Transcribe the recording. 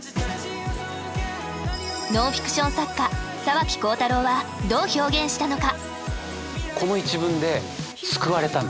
ノンフィクション作家沢木耕太郎はどう表現したのか？